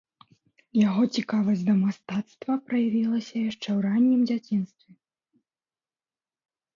Яго цікавасць да мастацтва праявілася яшчэ ў раннім дзяцінстве.